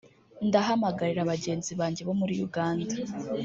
“Ndahamagarira bagenzi banjye bo muri Uganda